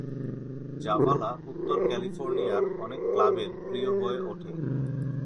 জাভালা উত্তর ক্যালিফোর্নিয়ার অনেক ক্লাবের প্রিয় হয়ে ওঠে।